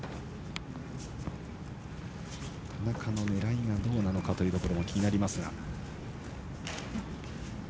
田中の狙いがどうなのかというところが気になりますが。